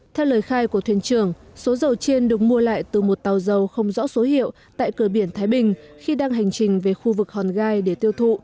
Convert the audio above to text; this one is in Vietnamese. theo lời khai của thuyền trưởng số dầu trên được mua lại từ một tàu dầu không rõ số hiệu tại cửa biển thái bình khi đang hành trình về khu vực hòn gai để tiêu thụ